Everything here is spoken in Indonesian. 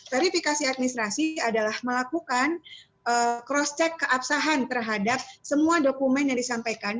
verifikasi administrasi adalah melakukan cross check keabsahan terhadap semua dokumen yang disampaikan